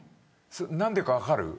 何でか分かる。